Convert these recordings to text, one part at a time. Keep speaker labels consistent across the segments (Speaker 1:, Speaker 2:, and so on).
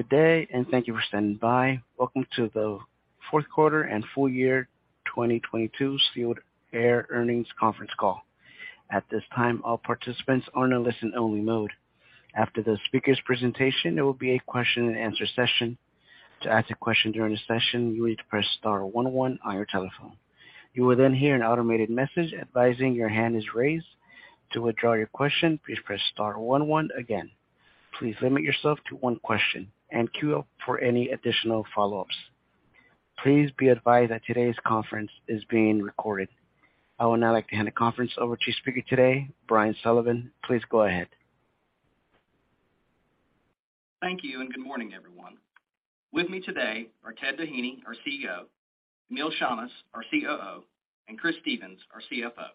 Speaker 1: Good day, thank you for standing by. Welcome to the Fourth Quarter and Full Year 2022 Sealed Air Earnings Conference Call. At this time, all participants are in a listen-only mode. After the speakers' presentation, there will be a question-and-answer session. To ask a question during the session, you need to press star one on your telephone. You will then hear an automated message advising your hand is raised. To withdraw your question, please press star one one again. Please limit yourself to one question and queue up for any additional follow-ups. Please be advised that today's conference is being recorded. I would now like to hand the conference over to speaker today, Brian Sullivan. Please go ahead.
Speaker 2: Thank you, and good morning, everyone. With me today are Ted Doheny, our CEO, Emile Chammas, our COO, and Christopher Stephens, our CFO.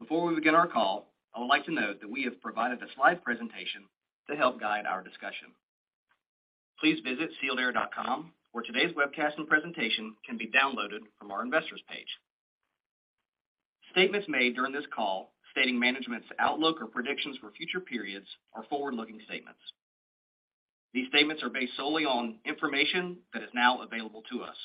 Speaker 2: Before we begin our call, I would like to note that we have provided a slide presentation to help guide our discussion. Please visit sealedair.com, where today's webcast and presentation can be downloaded from our investors page. Statements made during this call stating management's outlook or predictions for future periods are forward-looking statements. These statements are based solely on information that is now available to us.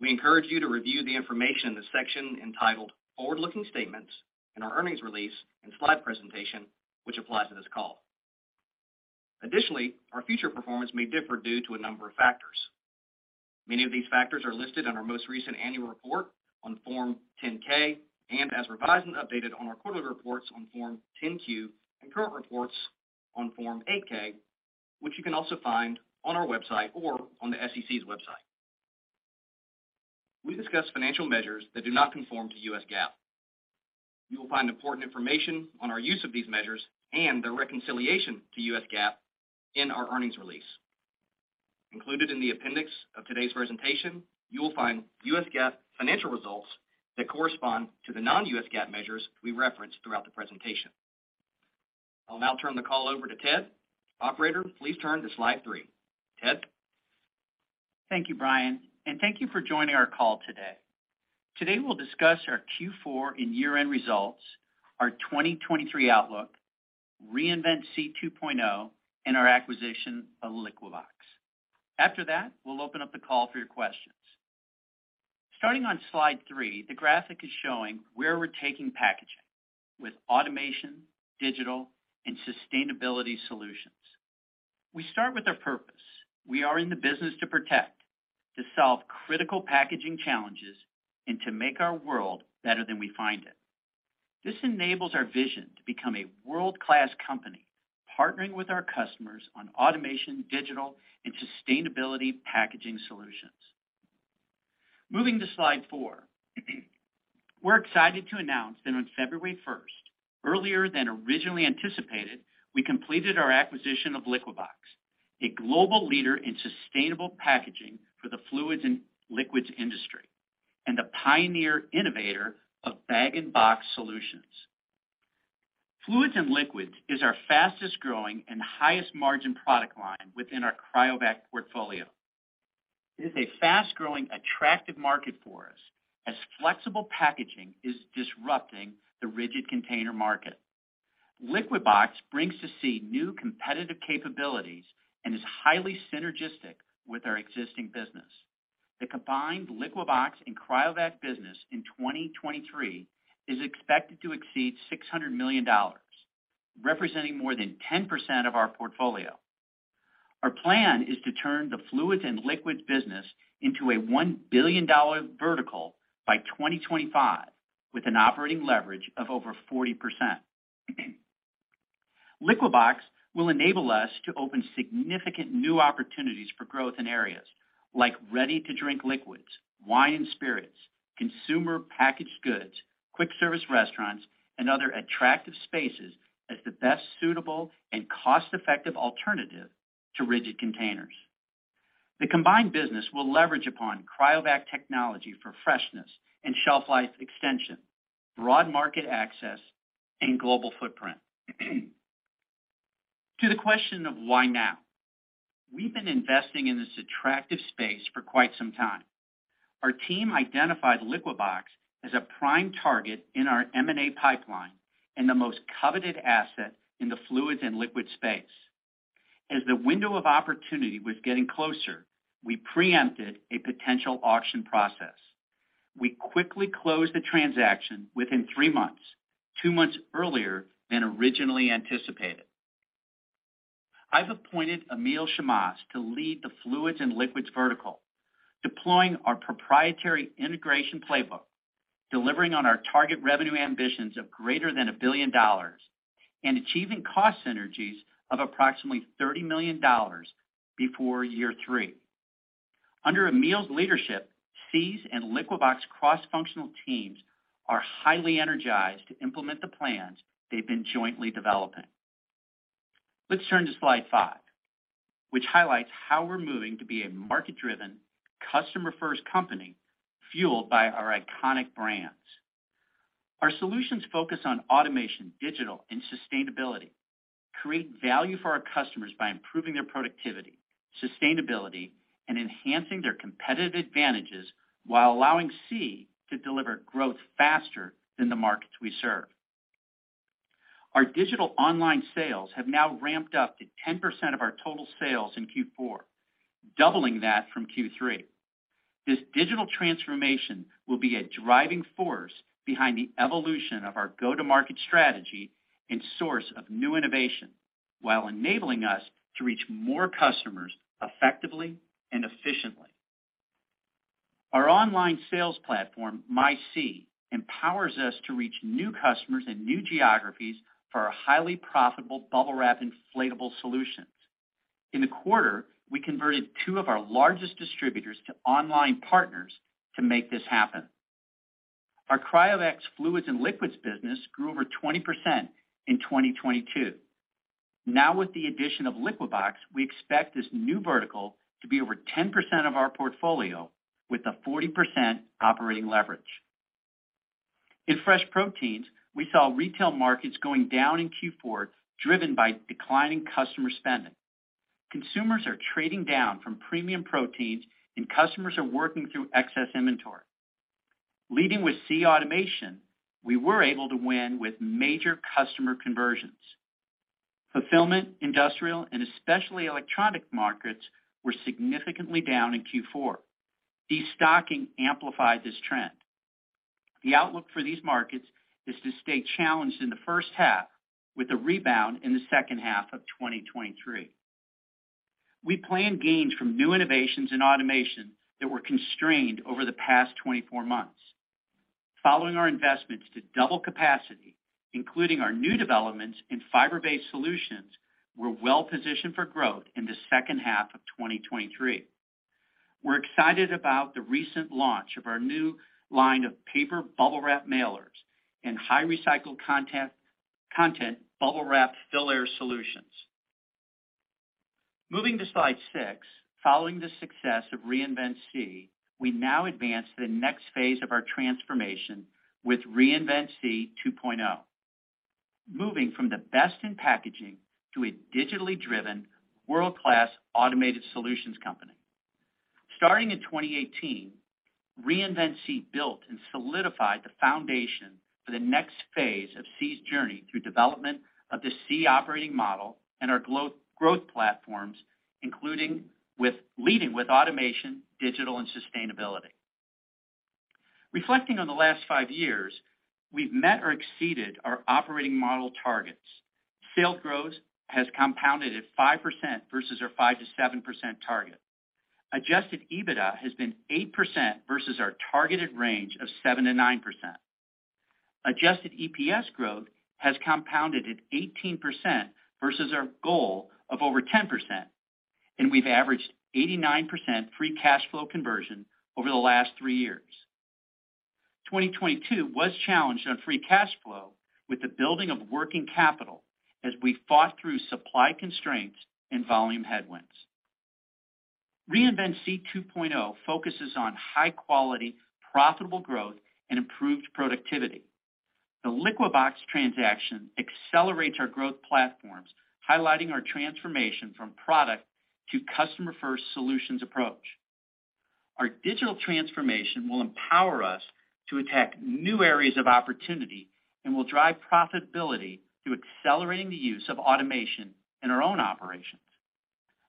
Speaker 2: We encourage you to review the information in the section entitled Forward-Looking Statements in our earnings release and slide presentation, which applies to this call. Additionally, our future performance may differ due to a number of factors. Many of these factors are listed on our most recent annual report on Form 10-K and as revised and updated on our quarterly reports on Form 10-Q and current reports on Form 8-K, which you can also find on our website or on the SEC's website. We discuss financial measures that do not conform to U.S. GAAP. You will find important information on our use of these measures and their reconciliation to U.S. GAAP in our earnings release. Included in the appendix of today's presentation, you will find U.S. GAAP financial results that correspond to the non-U.S. GAAP measures we referenced throughout the presentation. I'll now turn the call over to Ted. Operator, please turn to slide three. Ted?
Speaker 3: Thank you, Brian. Thank you for joining our call today. Today, we'll discuss our Q4 and year-end results, our 2023 outlook, Reinvent SEE 2.0, and our acquisition of Liquibox. After that, we'll open up the call for your questions. Starting on slide three, the graphic is showing where we're taking packaging with automation, digital, and sustainability solutions. We start with our purpose. We are in the business to protect, to solve critical packaging challenges, and to make our world better than we find it. This enables our vision to become a world-class company, partnering with our customers on automation, digital, and sustainability packaging solutions. Moving to slide four. We're excited to announce that on February 1st, earlier than originally anticipated, we completed our acquisition of Liquibox, a global leader in sustainable packaging for the fluids and liquids industry and a pioneer innovator of bag-in-box solutions. Fluids and liquids is our fastest-growing and highest-margin product line within our CRYOVAC portfolio. It is a fast-growing, attractive market for us as flexible packaging is disrupting the rigid container market. Liquibox brings to SEE new competitive capabilities and is highly synergistic with our existing business. The combined Liquibox and CRYOVAC business in 2023 is expected to exceed $600 million, representing more than 10% of our portfolio. Our plan is to turn the fluids and liquids business into a $1 billion vertical by 2025 with an operating leverage of over 40%. Liquibox will enable us to open significant new opportunities for growth in areas like ready-to-drink liquids, wine and spirits, consumer-packaged goods, quick service restaurants, and other attractive spaces as the best suitable and cost-effective alternative to rigid containers. The combined business will leverage upon CRYOVAC technology for freshness and shelf life extension, broad market access, and global footprint. To the question of why now? We've been investing in this attractive space for quite some time. Our team identified Liquibox as a prime target in our M&A pipeline and the most coveted asset in the fluids and liquids space. As the window of opportunity was getting closer, we preempted a potential auction process. We quickly closed the transaction within three months, two months earlier than originally anticipated. I've appointed Emile Chammas to lead the fluids and liquids vertical, deploying our proprietary integration playbook, delivering on our target revenue ambitions of greater than $1 billion, and achieving cost synergies of approximately $30 million before year three. Under Emile's leadership, SEE's and Liquibox cross-functional teams are highly energized to implement the plans they've been jointly developing. Let's turn to slide five, which highlights how we're moving to be a market-driven, customer-first company fueled by our iconic brands. Our solutions focus on automation, digital, and sustainability, create value for our customers by improving their productivity, sustainability, and enhancing their competitive advantages while allowing SEE to deliver growth faster than the markets we serve. Our digital online sales have now ramped up to 10% of our total sales in Q4, doubling that from Q3. This digital transformation will be a driving force behind the evolution of our go-to-market strategy and source of new innovation while enabling us to reach more customers effectively and efficiently. Our online sales platform, MySEE, empowers us to reach new customers in new geographies for our highly profitable BUBBLE WRAP inflatable solutions. In the quarter, we converted two of our largest distributors to online partners to make this happen. Our CRYOVAC fluids and liquids business grew over 20% in 2022. Now with the addition of Liquibox, we expect this new vertical to be over 10% of our portfolio with a 40% operating leverage. In fresh proteins, we saw retail markets going down in Q4, driven by declining customer spending. Consumers are trading down from premium proteins, and customers are working through excess inventory. Leading with SEE Automation, we were able to win with major customer conversions. Fulfillment, industrial, and especially electronic markets were significantly down in Q4. Destocking amplified this trend. The outlook for these markets is to stay challenged in the first half with a rebound in the second half of 2023. We plan gains from new innovations in automation that were constrained over the past 24 months. Following our investments to double capacity, including our new developments in fiber-based solutions, we're well-positioned for growth in the second half of 2023. We're excited about the recent launch of our new line of paper BUBBLE WRAP mailers and high recycled content BUBBLE WRAP Fill-Air solutions. Moving to slide six. Following the success of Reinvent SEE, we now advance the next phase of our transformation with Reinvent SEE 2.0, moving from the best in packaging to a digitally driven world-class automated solutions company. Starting in 2018, Reinvent SEE built and solidified the foundation for the next phase of SEE's journey through development of the SEE Operating Model and our growth platforms, including with leading with automation, digital, and sustainability. Reflecting on the last five years, we've met or exceeded our operating model targets. Sales growth has compounded at 5% versus our 5%-7% target. adjusted EBITDA has been 8% versus our targeted range of 7%-9%. adjusted EPS growth has compounded at 18% versus our goal of over 10%, and we've averaged 89% free cash flow conversion over the last three years. 2022 was challenged on free cash flow with the building of working capital as we fought through supply constraints and volume headwinds. Reinvent SEE 2.0 focuses on high-quality, profitable growth and improved productivity. The Liquibox transaction accelerates our growth platforms, highlighting our transformation from product to customer-first solutions approach. Our digital transformation will empower us to attack new areas of opportunity and will drive profitability through accelerating the use of automation in our own operations.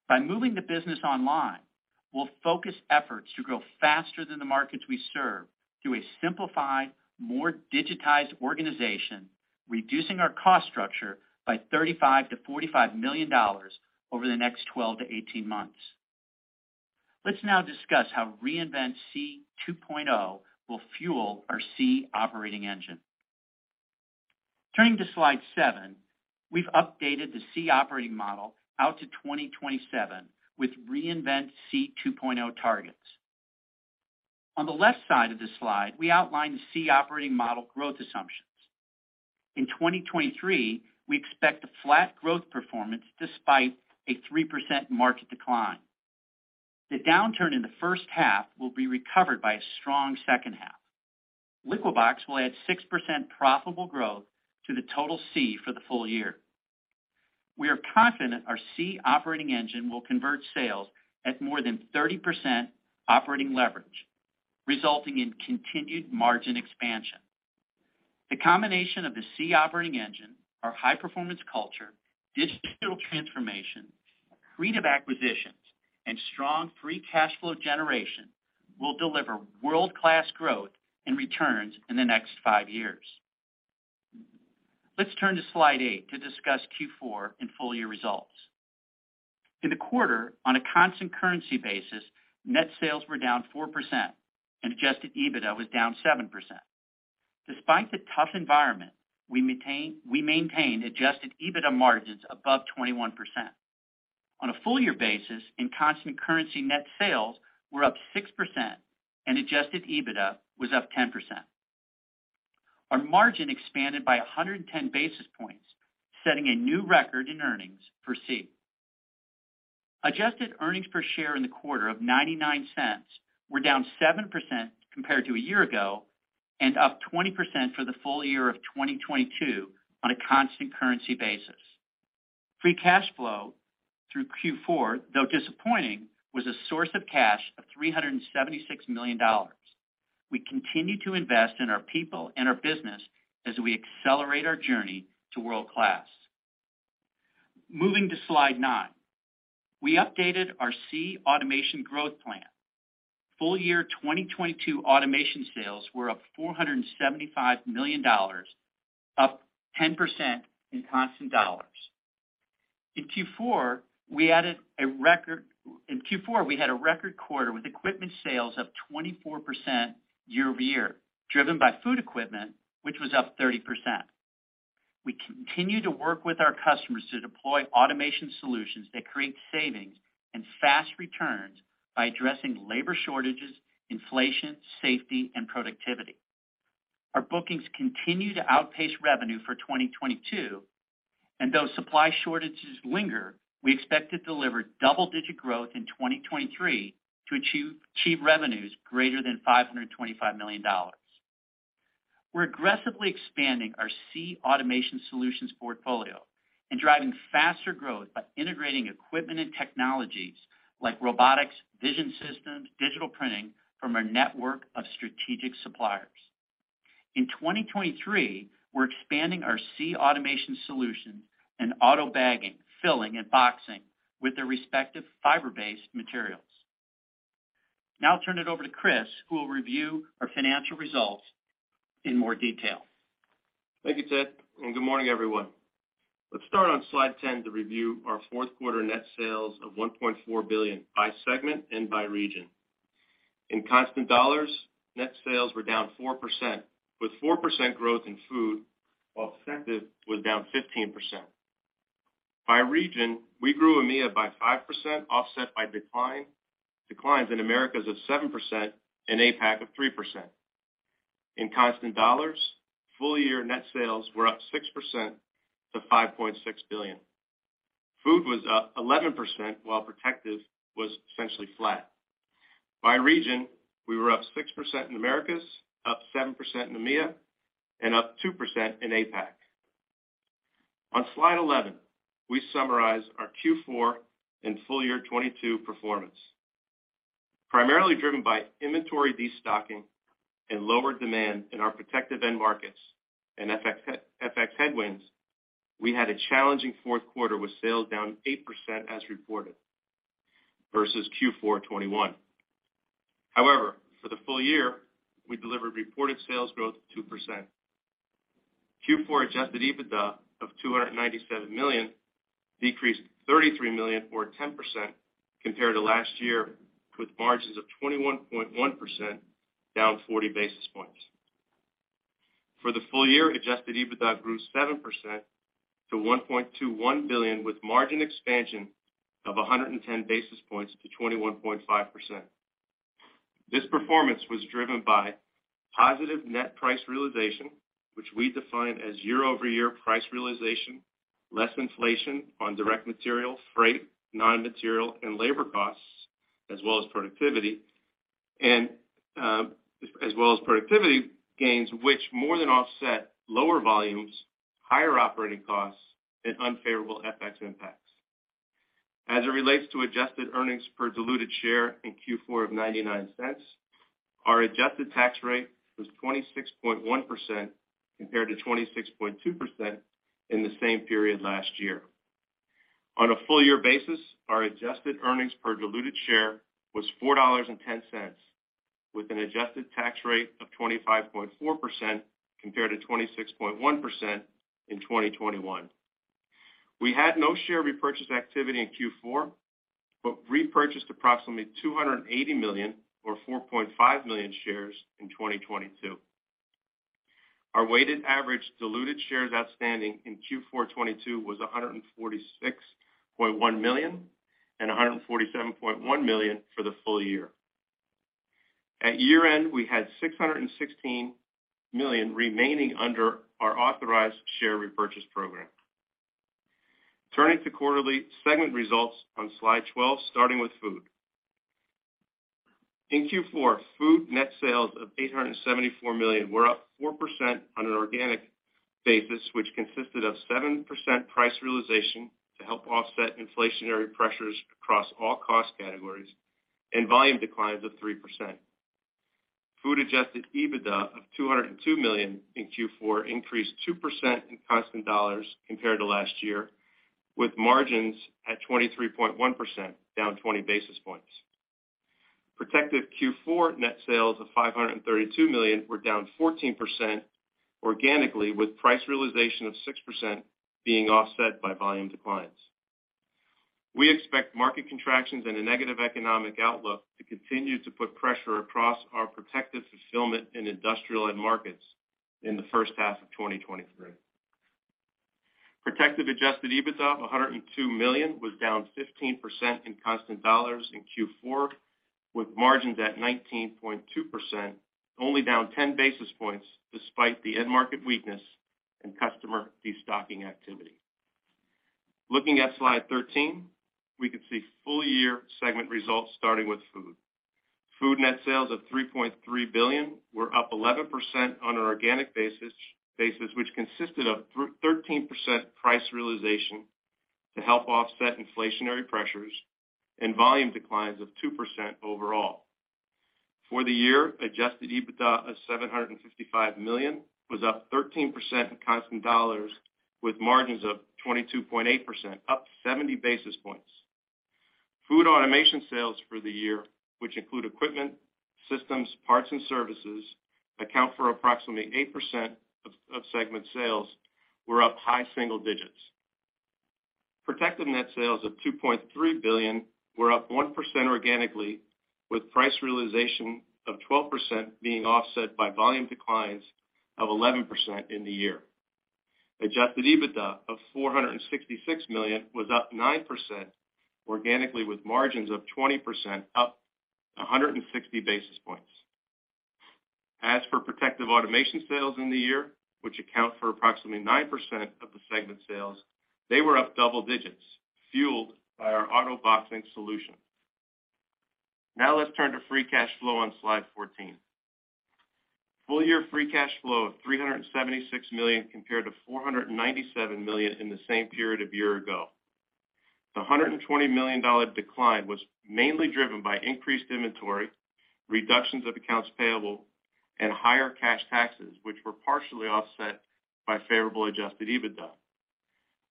Speaker 3: By moving the business online, we'll focus efforts to grow faster than the markets we serve through a simplified, more digitized organization, reducing our cost structure by $35 million-$45 million over the next 12 to 18 months. Let's now discuss how Reinvent SEE 2.0 will fuel our SEE Operating Model engine. Turning to slide seven, we've updated the SEE Operating Model out to 2027 with Reinvent SEE 2.0 targets. On the left side of this slide, we outline the SEE Operating Model growth assumptions. In 2023, we expect a flat growth performance despite a 3% market decline. The downturn in the first half will be recovered by a strong second half. Liquibox will add 6% profitable growth to the total Sealed Air for the full year. We are confident our SEE Operating Model will convert sales at more than 30% operating leverage, resulting in continued margin expansion. The combination of the SEE Operating Model, our high-performance culture, digital transformation, accretive acquisitions, and strong free cash flow generation will deliver world-class growth and returns in the next five years. Let's turn to slide eight to discuss Q4 and full-year results. In the quarter, on a constant currency basis, net sales were down 4% and adjusted EBITDA was down 7%. Despite the tough environment, we maintained adjusted EBITDA margins above 21%. On a full year basis and constant currency net sales were up 6% and adjusted EBITDA was up 10%. Our margin expanded by 110 basis points, setting a new record in earnings for SEE. Adjusted earnings per share in the quarter of $0.99 were down 7% compared to a year ago and up 20% for the full year of 2022 on a constant currency basis. Free cash flow through Q4, though disappointing, was a source of cash of $376 million. We continue to invest in our people and our business as we accelerate our journey to world-class. Moving to slide 9. We updated our SEE Automation growth plan. Full year 2022 automation sales were up $475 million, up 10% in constant dollars. In Q4, we had a record quarter with equipment sales up 24% year-over-year, driven by food equipment, which was up 30%. We continue to work with our customers to deploy automation solutions that create savings and fast returns by addressing labor shortages, inflation, safety, and productivity. Though supply shortages linger, we expect to deliver double-digit growth in 2023 to achieve revenues greater than $525 million. We're aggressively expanding our SEE Automation solutions portfolio and driving faster growth by integrating equipment and technologies like robotics, vision systems, digital printing from our network of strategic suppliers. In 2023, we're expanding our SEE Automation solution and auto bagging, filling, and boxing with their respective fiber-based materials. Now I'll turn it over to Chris, who will review our financial results in more detail.
Speaker 4: Thank you, Ted, and good morning, everyone. Let's start on slide 10 to review our fourth quarter net sales of $1.4 billion by segment and by region. In constant dollars, net sales were down 4%, with 4% growth in Food, while Protective was down 15%. By region, we grew EMEA by 5%, offset by declines in Americas of 7% and APAC of 3%. In constant dollars, full-year net sales were up 6% to $5.6 billion. Food was up 11%, while Protective was essentially flat. By region, we were up 6% in Americas, up 7% in EMEA, and up 2% in APAC. On slide 11, we summarize our Q4 and full year 2022 performance. Primarily driven by inventory destocking and lower demand in our Protective end markets and FX headwinds, we had a challenging fourth quarter with sales down 8% as reported versus Q4 2021. For the full year, we delivered reported sales growth of 2%. Q4 adjusted EBITDA of $297 million decreased $33 million or 10% compared to last year, with margins of 21.1% down 40 basis points. For the full year, adjusted EBITDA grew 7% to $1.21 billion, with margin expansion of 110 basis points to 21.5%. This performance was driven by positive net price realization, which we define as year-over-year price realization, less inflation on direct material, freight, non-material and labor costs, as well as productivity, and, as well as productivity gains which more than offset lower volumes, higher operating costs and unfavorable FX impacts. As it relates to adjusted earnings per diluted share in Q4 of $0.99, our adjusted tax rate was 26.1% compared to 26.2% in the same period last year. On a full year basis, our adjusted earnings per diluted share was $4.10, with an adjusted tax rate of 25.4% compared to 26.1% in 2021. We had no share repurchase activity in Q4, but repurchased approximately $280 million or 4.5 million shares in 2022. Our weighted average diluted shares outstanding in Q4 2022 was 146.1 million and 147.1 million for the full year. At year-end, we had 616 million remaining under our authorized share repurchase program. Turning to quarterly segment results on slide 12, starting with Food. In Q4, Food net sales of $874 million were up 4% on an organic basis, which consisted of 7% price realization to help offset inflationary pressures across all cost categories and volume declines of 3%. Food adjusted EBITDA of $202 million in Q4 increased 2% in constant dollars compared to last year, with margins at 23.1%, down 20 basis points. Protective Q4 net sales of $532 million were down 14% organically, with price realization of 6% being offset by volume declines. We expect market contractions and a negative economic outlook to continue to put pressure across our Protective fulfillment in industrial end markets in the first half of 2023. Protective adjusted EBITDA of $102 million was down 15% in constant dollars in Q4, with margins at 19.2%, only down 10 basis points despite the end market weakness and customer destocking activity. Looking at slide 13, we can see full-year segment results starting with Food. Food net sales of $3.3 billion were up 11% on an organic basis, which consisted of 13% price realization to help offset inflationary pressures and volume declines of 2% overall. For the year, adjusted EBITDA of $755 million was up 13% in constant dollars, with margins of 22.8%, up 70 basis points. Food automation sales for the year, which include equipment, systems, parts, and services account for approximately 8% of segment sales were up high single digits. Protective net sales of $2.3 billion were up 1% organically, with price realization of 12% being offset by volume declines of 11% in the year. Adjusted EBITDA of $466 million was up 9% organically, with margins of 20%, up 160 basis points. As for Protective automation sales in the year, which account for approximately 9% of the segment sales, they were up double digits, fueled by our auto boxing solution. Let's turn to free cash flow on slide 14. Full year free cash flow of $376 million compared to $497 million in the same period a year ago. The $120 million decline was mainly driven by increased inventory, reductions of accounts payable, and higher cash taxes, which were partially offset by favorable adjusted EBITDA.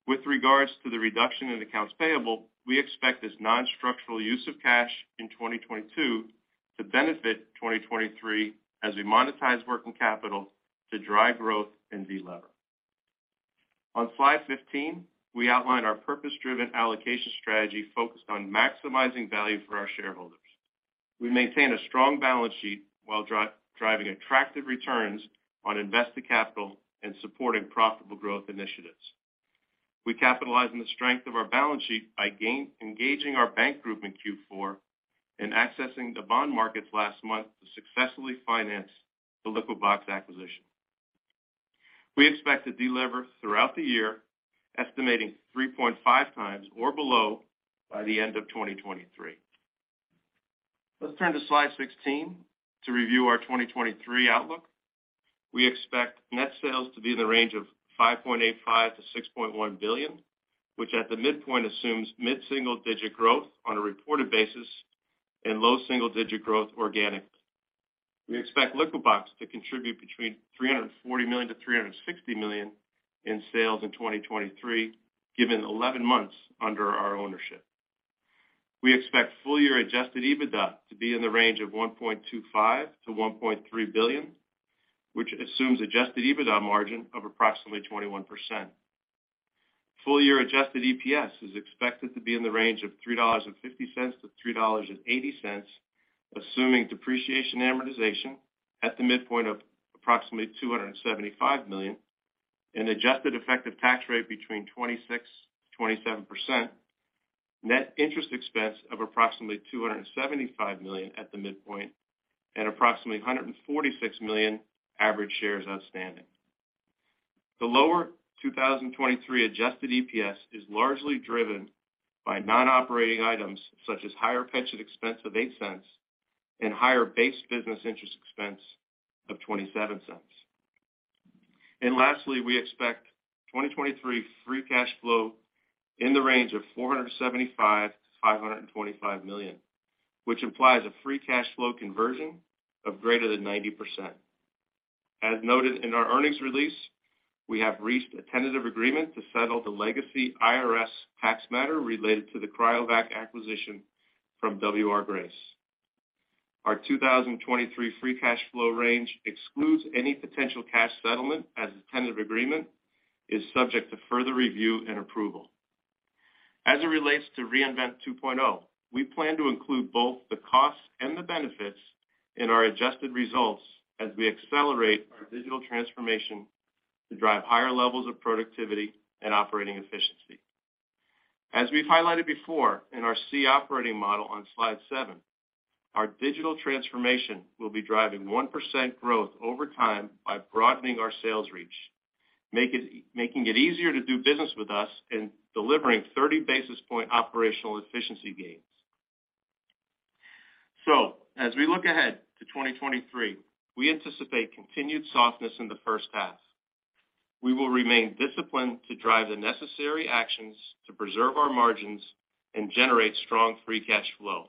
Speaker 4: With regards to the reduction in accounts payable, we expect this non-structural use of cash in 2022 to benefit 2023 as we monetize working capital to drive growth and delever. On slide 15, we outlined our purpose-driven allocation strategy focused on maximizing value for our shareholders. We maintain a strong balance sheet while driving attractive returns on invested capital and supporting profitable growth initiatives. We capitalize on the strength of our balance sheet by engaging our bank group in Q4 and accessing the bond markets last month to successfully finance the Liquibox acquisition. We expect to delever throughout the year, estimating 3.5 times or below by the end of 2023. Let's turn to slide 16 to review our 2023 outlook. We expect net sales to be in the range of $5.85 billion-$6.1 billion, which at the midpoint assumes mid-single digit growth on a reported basis and low single digit growth organic. We expect Liquibox to contribute between $340 million-$360 million in sales in 2023, given 11 months under our ownership. We expect full year adjusted EBITDA to be in the range of $1.25 billion-$1.3 billion, which assumes adjusted EBITDA margin of approximately 21%. Full year adjusted EPS is expected to be in the range of $3.50-$3.80, assuming depreciation amortization at the midpoint of approximately $275 million, an adjusted effective tax rate between 26%-27%, net interest expense of approximately $275 million at the midpoint, and approximately 146 million average shares outstanding. The lower 2023 adjusted EPS is largely driven by non-operating items such as higher pension expense of $0.08 and higher base business interest expense of $0.27. Lastly, we expect 2023 free cash flow in the range of $475 million-$525 million, which implies a free cash flow conversion of greater than 90%. As noted in our earnings release, we have reached a tentative agreement to settle the legacy IRS tax matter related to the CRYOVAC acquisition from W.R. Grace. Our 2023 free cash flow range excludes any potential cash settlement as the tentative agreement is subject to further review and approval. As it relates to Reinvent SEE 2.0, we plan to include both the costs and the benefits in our adjusted results as we accelerate our digital transformation to drive higher levels of productivity and operating efficiency. As we've highlighted before in our SEE Operating Model on slide seven, our digital transformation will be driving 1% growth over time by broadening our sales reach, making it easier to do business with us and delivering 30 basis point operational efficiency gains. As we look ahead to 2023, we anticipate continued softness in the first half. We will remain disciplined to drive the necessary actions to preserve our margins and generate strong free cash flow.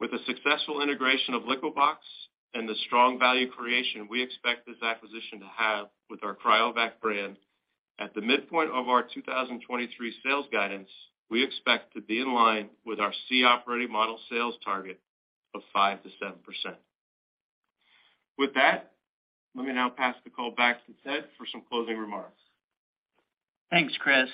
Speaker 4: With the successful integration of Liquibox and the strong value creation we expect this acquisition to have with our CRYOVAC brand at the midpoint of our 2023 sales guidance, we expect to be in line with our SEE Operating Model sales target of 5%-7%. Let me now pass the call back to Ted for some closing remarks.
Speaker 3: Thanks, Chris.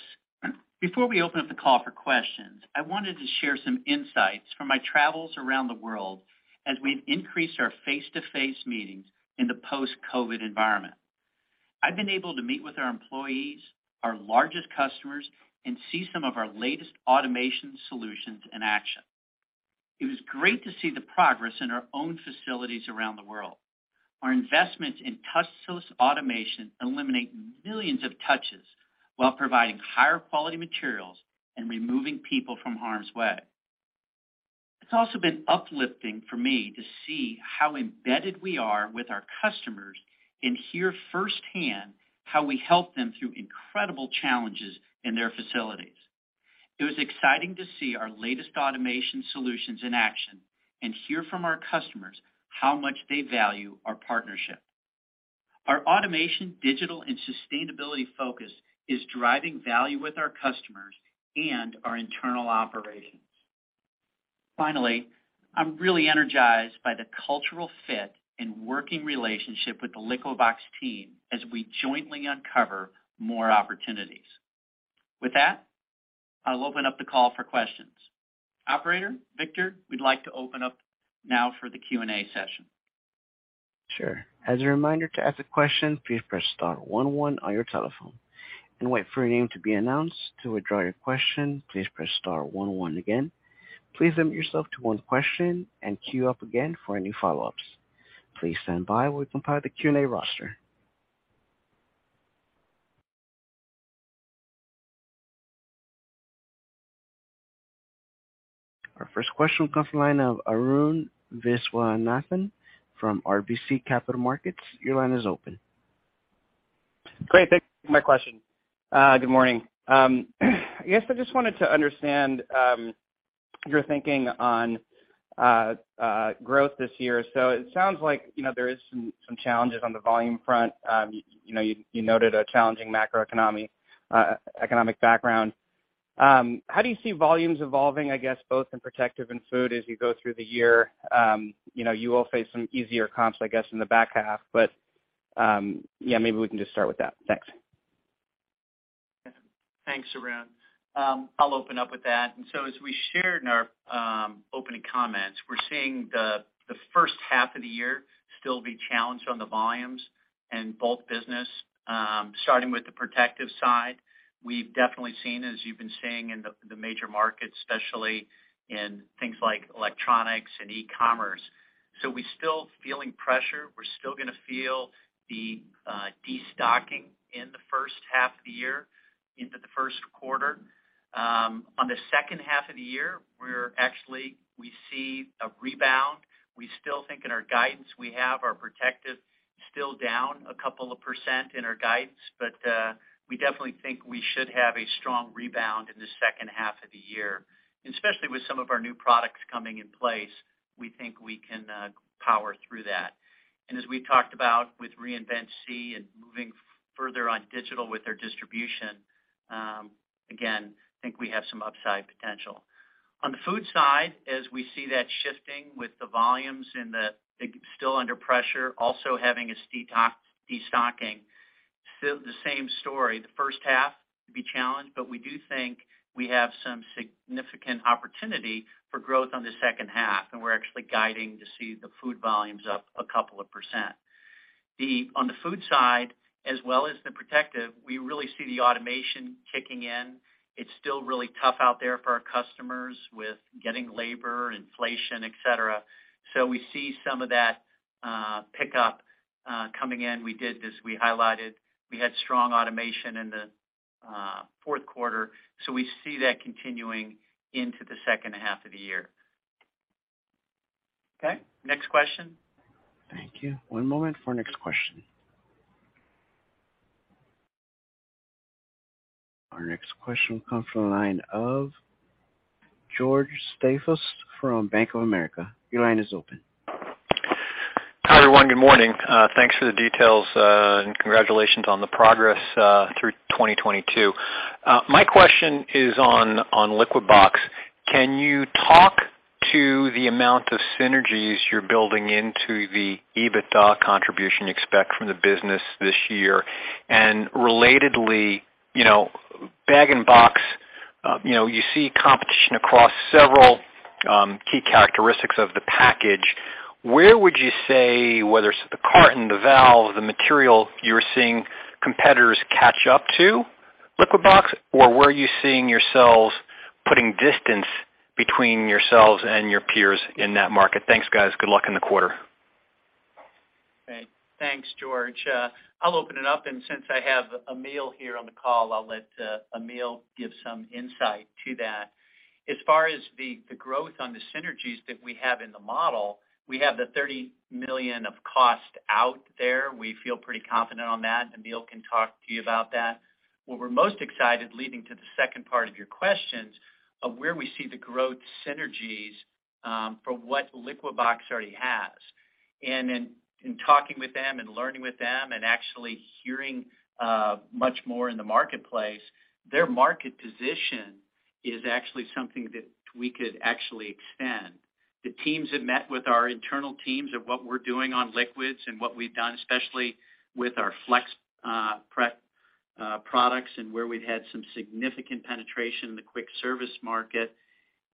Speaker 3: Before we open up the call for questions, I wanted to share some insights from my travels around the world as we've increased our face-to-face meetings in the post-COVID environment. I've been able to meet with our employees, our largest customers, and see some of our latest automation solutions in action. It was great to see the progress in our own facilities around the world. Our investments in touchless automation eliminate millions of touches while providing higher quality materials and removing people from harm's way. It's also been uplifting for me to see how embedded we are with our customers and hear firsthand how we help them through incredible challenges in their facilities. It was exciting to see our latest automation solutions in action and hear from our customers how much they value our partnership. Our automation, digital, and sustainability focus is driving value with our customers and our internal operations. Finally, I'm really energized by the cultural fit and working relationship with the Liquibox team as we jointly uncover more opportunities. With that, I'll open up the call for questions. Operator, Victor, we'd like to open up now for the Q&A session.
Speaker 1: Sure. As a reminder to ask a question, please press star one one on your telephone and wait for your name to be announced. To withdraw your question, please press star one one again. Please limit yourself to one question and queue up again for any follow-ups. Please stand by while we compile the Q&A roster. Our first question comes from the line of Arun Viswanathan from RBC Capital Markets. Your line is open.
Speaker 5: Great. Thanks. My question. Good morning. I guess I just wanted to understand your thinking on growth this year. It sounds like, you know, there is some challenges on the volume front. You know, you noted a challenging macroeconomic economic background. How do you see volumes evolving, I guess, both in Protective and Food as you go through the year? You know, you will face some easier comps, I guess, in the back half. Yeah, maybe we can just start with that. Thanks.
Speaker 3: Thanks, Arun. I'll open up with that. As we shared in our opening comments, we're seeing the first half of the year still be challenged on the volumes in both business. Starting with the Protective side, we've definitely seen, as you've been seeing in the major markets, especially in things like electronics and e-commerce. We're still feeling pressure. We're still gonna feel the destocking in the first half of the year into the first quarter. On the second half of the year, we actually see a rebound. We still think in our guidance, we have our Protective still down a couple of percent in our guidance. We definitely think we should have a strong rebound in the second half of the year, and especially with some of our new products coming in place, we think we can power through that. As we talked about with Reinvent SEE and moving further on digital with their distribution, again, think we have some upside potential. On the Food side, as we see that shifting with the volumes and still under pressure, also having a destocking, still the same story, the first half to be challenged. We do think we have some significant opportunity for growth on the second half, and we're actually guiding to see the Food volumes up a couple of percent. On the Food side as well as the Protective, we really see the automation kicking in. It's still really tough out there for our customers with getting labor, inflation, et cetera. We see some of that pick up coming in. We did this. We highlighted. We had strong automation in the fourth quarter, so we see that continuing into the second half of the year. Next question.
Speaker 1: Thank you. One moment for our next question. Our next question comes from the line of George Staphos from Bank of America. Your line is open.
Speaker 6: Hi, everyone. Good morning. Thanks for the details, and congratulations on the progress through 2022. My question is on Liquibox. Can you talk to the amount of synergies you're building into the EBITDA contribution you expect from the business this year? Relatedly, you know, bag-in-box, you know, you see competition across several key characteristics of the package. Where would you say, whether it's the carton, the valve, the material, you're seeing competitors catch up to Liquibox? Or where are you seeing yourselves putting distance between yourselves and your peers in that market? Thanks, guys. Good luck in the quarter.
Speaker 3: Thanks, George. I'll open it up, since I have Emile here on the call, I'll let Emile give some insight to that. As far as the growth on the synergies that we have in the model, we have the $30 million of cost out there. We feel pretty confident on that. Emile can talk to you about that. What we're most excited, leading to the second part of your questions, of where we see the growth synergies, for what Liquibox already has. In talking with them and learning with them and actually hearing much more in the marketplace, their market position is actually something that we could actually extend. The teams have met with our internal teams of what we're doing on liquids and what we've done, especially with our FlexPrep products and where we've had some significant penetration in the quick service market.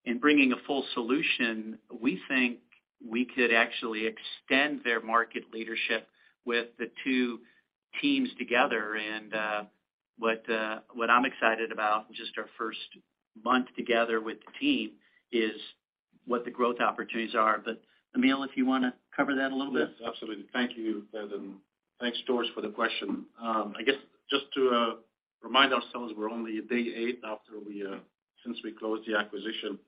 Speaker 3: In bringing a full solution, we think we could actually extend their market leadership with the two teams together. What I'm excited about, just our first month together with the team is what the growth opportunities are. Emile, if you wanna cover that a little bit?
Speaker 7: Yes, absolutely. Thank you, Ted, and thanks, George, for the question. I guess just to remind ourselves, we're only day eight after we since we closed the acquisition.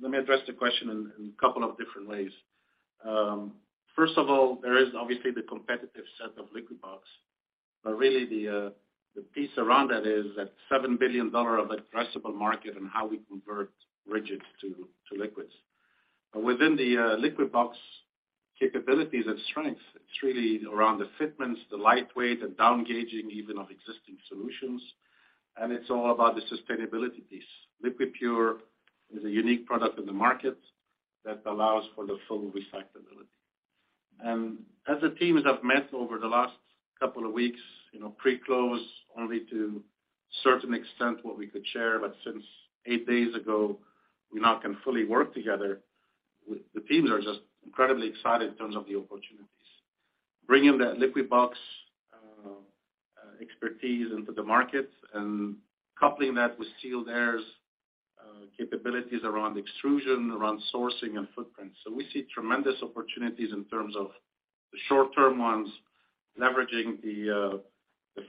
Speaker 7: Let me address the question in a couple of different ways. First of all, there is obviously the competitive set of Liquibox. Really the piece around that is that $7 billion of addressable market and how we convert rigid to liquids. Within the Liquibox capabilities and strengths, it's really around the fitments, the lightweight, the down gauging even on existing solutions, and it's all about the sustainability piece. Liquipure is a unique product in the market that allows for the full recyclability. As the teams have met over the last couple of weeks, you know, pre-close only to certain extent what we could share, but since eight days ago, we now can fully work together. The teams are just incredibly excited in terms of the opportunities. Bringing that Liquibox expertise into the market and coupling that with Sealed Air's capabilities around extrusion, around sourcing and footprint. We see tremendous opportunities in terms of the short-term ones, leveraging the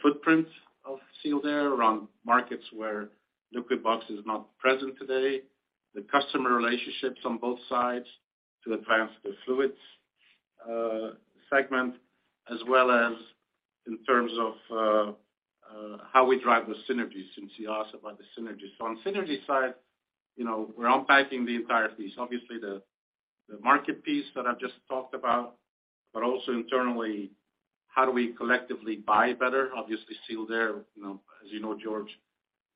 Speaker 7: footprint of Sealed Air around markets where Liquibox is not present today. The customer relationships on both sides to advance the fluids segment, as well as in terms of how we drive the synergies, since you asked about the synergies. On synergy side, you know, we're unpacking the entire piece, obviously the market piece that I've just talked about, but also internally, how do we collectively buy better? Obviously, Sealed Air, you know, as you know, George,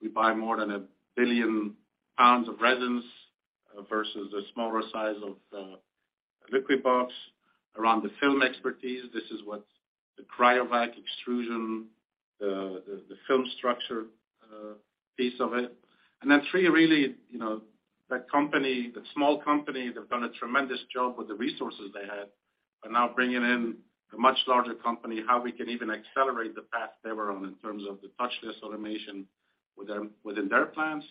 Speaker 7: we buy more than 1 billion pounds of resins versus the smaller size of Liquibox. Around the film expertise, this is what the CRYOVAC extrusion, the film structure piece of it. And then three, really, you know, that company, that small company, they've done a tremendous job with the resources they had, but now bringing in a much larger company, how we can even accelerate the path they were on in terms of the touchless automation within their plants,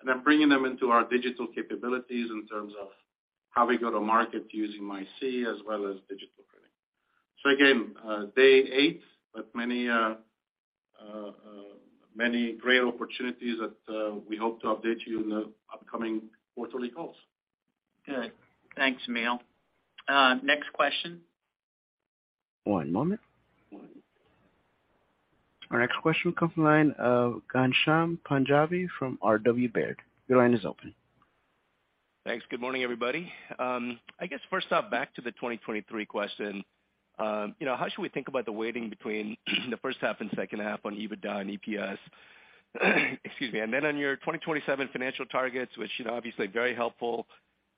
Speaker 7: and then bringing them into our digital capabilities in terms of how we go to market using MySEE as well as digital printing. Again, day eight, but many great opportunities that, we hope to update you in the upcoming quarterly calls.
Speaker 3: Good. Thanks, Emile. next question.
Speaker 1: One moment. Our next question comes from the line of Ghansham Panjabi from RW Baird. Your line is open.
Speaker 8: Thanks. Good morning, everybody. I guess first off, back to the 2023 question. You know, how should we think about the weighting between the first half and second half on EBITDA and EPS? Excuse me. Then on your 2027 financial targets, which you know, obviously very helpful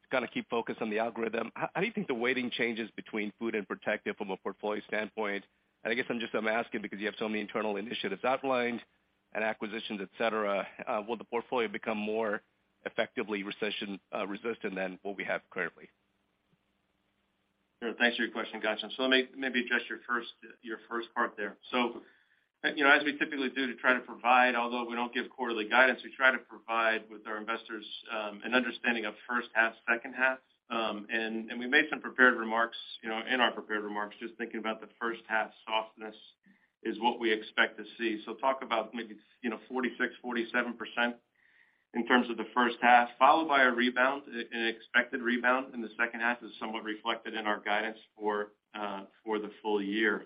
Speaker 8: to kinda keep focused on the algorithm, how do you think the weighting changes between Food and Protective from a portfolio standpoint? I guess I'm just, I'm asking because you have so many internal initiatives outlined and acquisitions, et cetera, will the portfolio become more effectively recession resistant than what we have currently?
Speaker 4: Sure. Thanks for your question, Ghansham. Let me maybe address your first part there. You know, as we typically do to try to provide, although we don't give quarterly guidance, we try to provide with our investors an understanding of first half, second half. And we made some prepared remarks, you know, in our prepared remarks, just thinking about the first half softness is what we expect to see. Talk about maybe, you know, 46%, 47% in terms of the first half, followed by a rebound, an expected rebound in the second half is somewhat reflected in our guidance for the full year.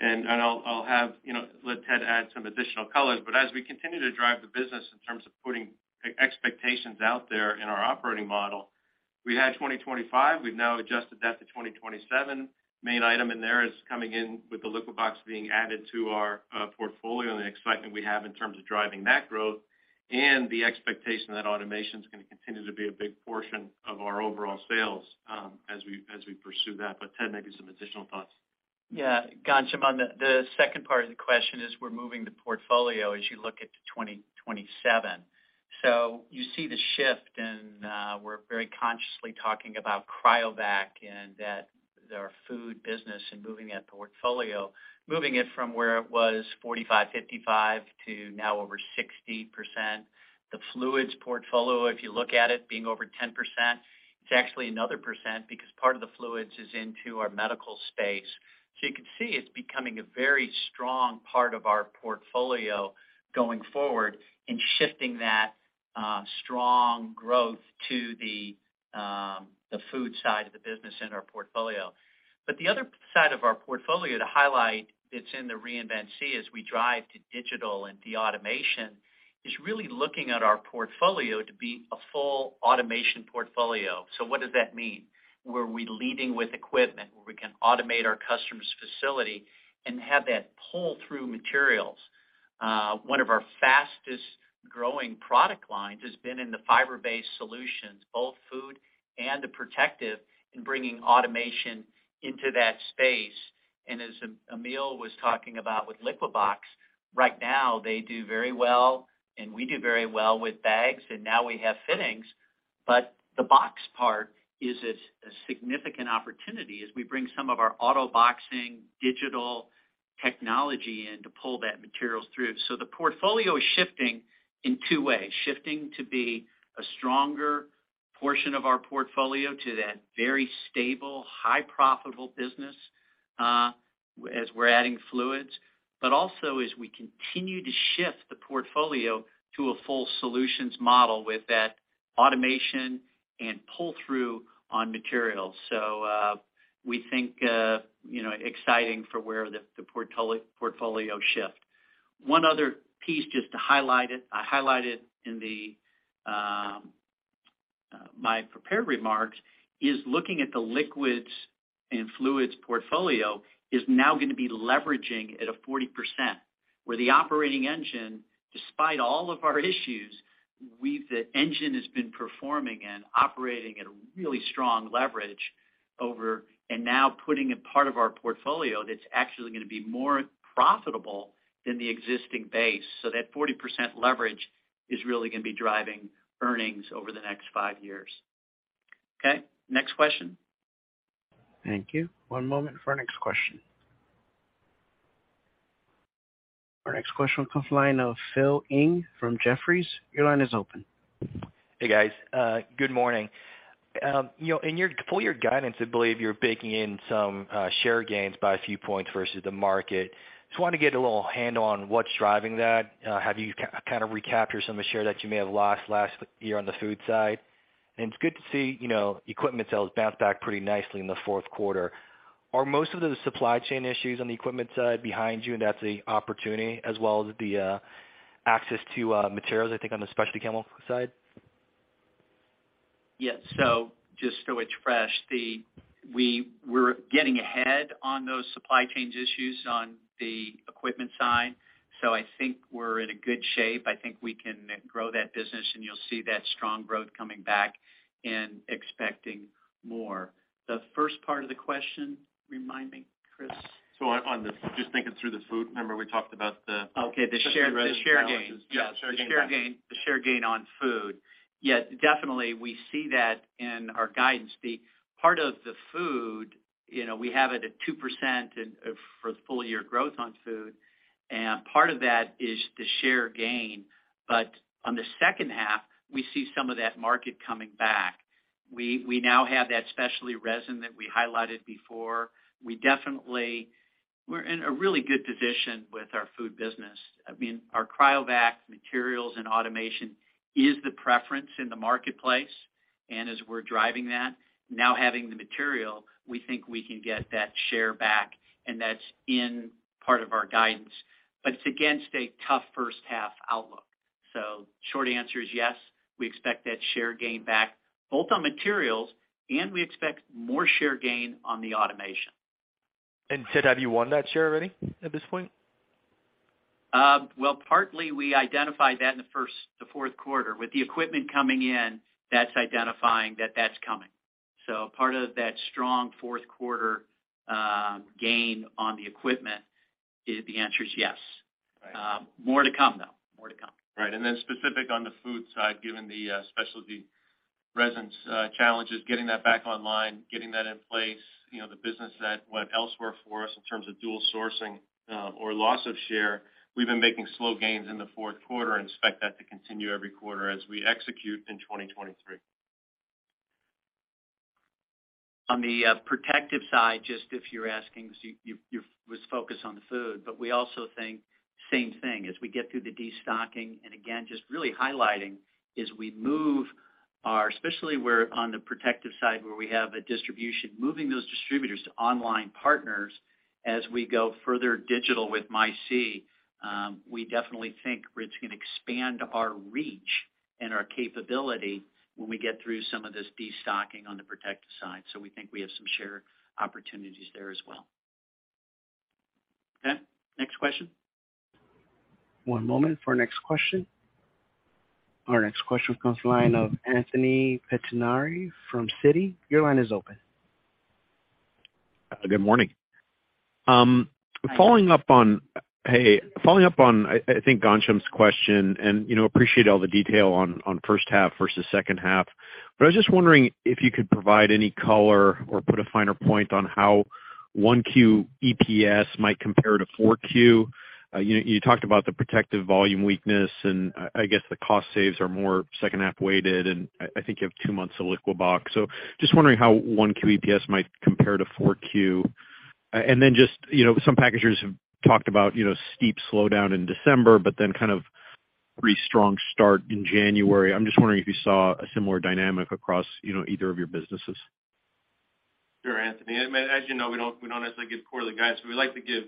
Speaker 4: And I'll have, you know, let Ted add some additional color. As we continue to drive the business in terms of putting e-expectations out there in our operating model, we had 2025. We've now adjusted that to 2027. Main item in there is coming in with the Liquibox being added to our portfolio and the excitement we have in terms of driving that growth and the expectation that automation is gonna continue to be a big portion of our overall sales as we pursue that. Ted, maybe some additional thoughts.
Speaker 3: Yeah. Ghansham, on the second part of the question is we're moving the portfolio as you look at to 2027. You see the shift and we're very consciously talking about CRYOVAC and that their Food business and moving that portfolio, moving it from where it was 45%, 55% to now over 60%. The fluids portfolio, if you look at it being over 10%, it's actually another percent because part of the fluids is into our medical space. You can see it's becoming a very strong part of our portfolio going forward in shifting that strong growth to the Food side of the business in our portfolio. The other side of our portfolio to highlight that's in the Reinvent SEE as we drive to digital and de-automation, is really looking at our portfolio to be a full automation portfolio. What does that mean? Where we're leading with equipment, where we can automate our customer's facility and have that pull through materials. One of our fastest-growing product lines has been in the fiber-based solutions, both Food and Protective in bringing automation into that space. As Emile was talking about with Liquibox, right now, they do very well, and we do very well with bags, and now we have fittings. The box part is a significant opportunity as we bring some of our auto boxing digital technology in to pull that materials through. The portfolio is shifting in two ways, shifting to be a stronger portion of our portfolio to that very stable, high profitable business, as we're adding fluids. Also as we continue to shift the portfolio to a full solutions model with that automation and pull-through on materials. We think, you know, exciting for where the portfolio shift. One other piece, just to highlight it, I highlighted in my prepared remarks, is looking at the liquids and fluids portfolio is now gonna be leveraging at a 40%, where the operating engine, despite all of our issues, the engine has been performing and operating at a really strong leverage over, and now putting a part of our portfolio that's actually gonna be more profitable than the existing base. That 40% leverage is really gonna be driving earnings over the next five years. Okay, next question.
Speaker 1: Thank you. One moment for our next question. Our next question comes line of Phil Ng from Jefferies. Your line is open.
Speaker 9: Hey, guys. Good morning. You know, in your full year guidance, I believe you're baking in some share gains by a few points versus the market. Just wanted to get a little handle on what's driving that. Have you kind of recaptured some of the share that you may have lost last year on the Food side? It's good to see, you know, equipment sales bounce back pretty nicely in the fourth quarter. Are most of the supply chain issues on the equipment side behind you, and that's the opportunity as well as the access to materials, I think, on the specialty chemical side?
Speaker 3: Yes. Just to refresh, we're getting ahead on those supply chains issues on the equipment side. I think we're in a good shape. I think we can grow that business, and you'll see that strong growth coming back and expecting more. The first part of the question, remind me, Chris.
Speaker 4: Just thinking through the Food, remember we talked about.
Speaker 3: Okay.
Speaker 4: Specialty resin balances.
Speaker 3: The share gains.
Speaker 4: Yeah, the share gain.
Speaker 3: The share gain on Food. Yeah, definitely, we see that in our guidance. The part of the Food, you know, we have it at 2% in for the full year growth on Food, and part of that is the share gain. On the second half, we see some of that market coming back. We now have that specialty resin that we highlighted before. We're in a really good position with our Food business. I mean, our CRYOVAC materials and automation is the preference in the marketplace. As we're driving that, now having the material, we think we can get that share back, and that's in part of our guidance. It's against a tough first half outlook. Short answer is yes, we expect that share gain back, both on materials, and we expect more share gain on the automation.
Speaker 9: Ted, have you won that share already at this point?
Speaker 3: Well, partly we identified that in the fourth quarter. With the equipment coming in, that's identifying that that's coming. Part of that strong fourth quarter, gain on the equipment is the answer is yes.
Speaker 9: Right.
Speaker 3: More to come, though. More to come.
Speaker 4: Right. Specific on the Food side, given the specialty resins challenges, getting that back online, getting that in place, you know, the business that went elsewhere for us in terms of dual sourcing, or loss of share, we've been making slow gains in the fourth quarter and expect that to continue every quarter as we execute in 2023.
Speaker 3: On the Protective side, just if you're asking, so you was focused on the Food, but we also think same thing. As we get through the destocking, and again, just really highlighting is we move our especially we're on the Protective side where we have a distribution, moving those distributors to online partners as we go further digital with MySEE. We definitely think it's gonna expand our reach and our capability when we get through some of this destocking on the Protective side. We think we have some share opportunities there as well. Okay, next question.
Speaker 1: One moment for our next question. Our next question comes line of Anthony Pettinari from Citi. Your line is open.
Speaker 10: Good morning. Following up on, I think, Ghansham's question, you know, appreciate all the detail on first half versus second half. I was just wondering if you could provide any color or put a finer point on how 1Q EPS might compare to 4Q. You talked about the Protective volume weakness, and I guess the cost saves are more second half weighted, and I think you have two months of Liquibox. Just wondering how 1Q EPS might compare to 4Q. Just, you know, some packagers have talked about, you know, steep slowdown in December, kind of pretty strong start in January. I'm just wondering if you saw a similar dynamic across, you know, either of your businesses.
Speaker 4: Sure, Anthony. I mean, as you know, we don't necessarily give quarterly guidance. We like to give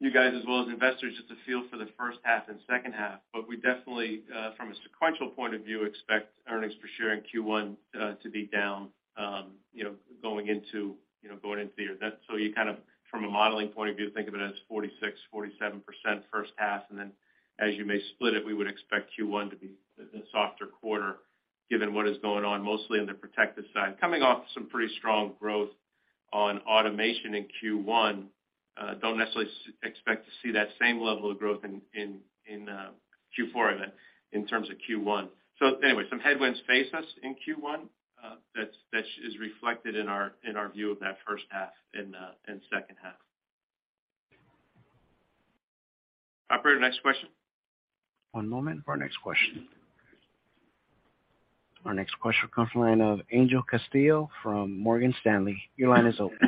Speaker 4: you guys as well as investors just a feel for the first half and second half. We definitely, from a sequential point of view, expect earnings per share in Q1 to be down. You kind of, from a modeling point of view, think of it as 46%, 47% first half, and then as you may split it, we would expect Q1 to be a softer quarter given what is going on mostly on the Protective side, coming off some pretty strong growthOn automation in Q1. Don't necessarily expect to see that same level of growth in Q4, I meant, in terms of Q1. Anyway, some headwinds face us in Q1, that is reflected in our view of that first half and second half. Operator, next question.
Speaker 1: One moment for our next question. Our next question comes from the line of Angel Castillo from Morgan Stanley. Your line is open.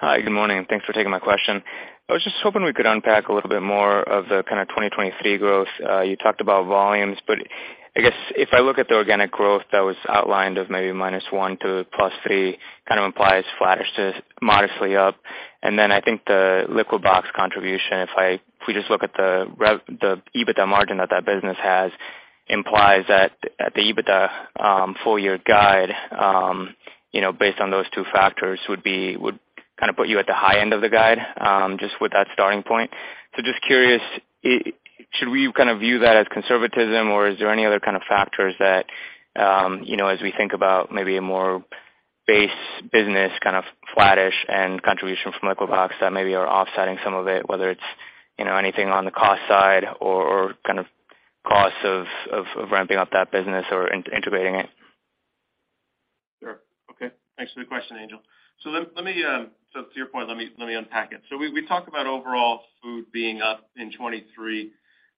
Speaker 11: Hi, good morning, and thanks for taking my question. I was just hoping we could unpack a little bit more of the kind of 2023 growth. You talked about volumes, but I guess if I look at the organic growth that was outlined of maybe -1% to +3%, kind of implies flattish to modestly up. Then I think the Liquibox contribution, if we just look at the EBITDA margin that that business has, implies that at the EBITDA, full year guide, you know, based on those two factors, would kind of put you at the high end of the guide, just with that starting point. Just curious, should we kind of view that as conservatism, or is there any other kind of factors that, you know, as we think about maybe a more base business, kind of flattish and contribution from Liquibox that maybe are offsetting some of it, whether it's, you know, anything on the cost side or kind of costs of ramping up that business or integrating it?
Speaker 4: Sure. Okay. Thanks for the question, Angel. To your point, let me unpack it. We talked about overall Food being up in 2023,